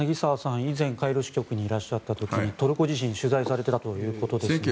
以前カイロ支局にいらっしゃった時にトルコ地震を取材されたということですが。